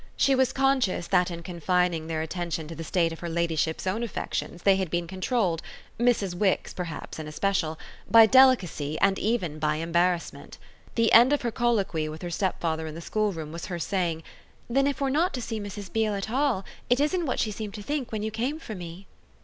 She was conscious that in confining their attention to the state of her ladyship's own affections they had been controlled Mrs. Wix perhaps in especial by delicacy and even by embarrassment. The end of her colloquy with her stepfather in the schoolroom was her saying: "Then if we're not to see Mrs. Beale at all it isn't what she seemed to think when you came for me."